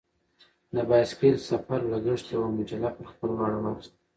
د بایسکل سفر لګښت یوه مجله پر خپله غاړه واخیست.